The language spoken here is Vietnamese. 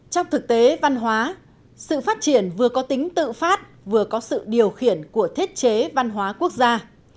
trong thực tế văn hóa sự phát triển vừa có tính tự phát vừa có sự điều khiển của thiết chế văn hóa quốc gia